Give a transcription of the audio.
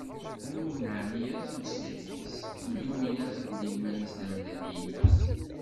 Win ur d-neɛni ara tameslayt-is, ur yumin ara belli iman-is d amdan i yella.